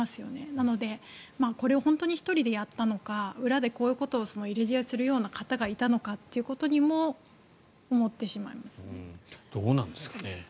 なので、これを本当に１人でやったのか裏でこういうことを入れ知恵するような人がいたのかともどうなんですかね。